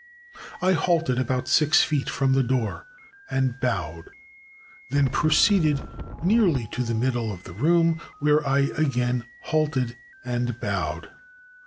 I halted about six feet from the door and bowed, then proceeded nearly to the middle of the room, where I again halted and bowed.